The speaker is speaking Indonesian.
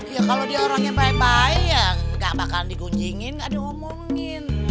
ya kalau dia orang yang baik baik ya nggak bakalan digunjingin nggak diomongin